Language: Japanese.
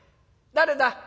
誰だ？